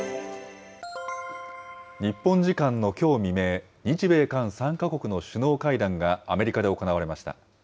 日本時間のきょう未明、日米韓３か国の首脳会談がアメリカで行われました。